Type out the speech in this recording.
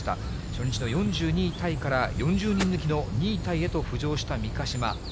初日の４２位タイから、４０人抜きの２位タイへと浮上した三ヶ島。